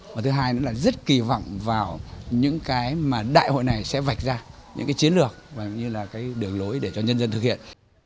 và thứ hai là rất kỳ vọng vào những cái mà đại hội này sẽ vạch ra những chiến lược và đường lối để cho nhân dân thực hiện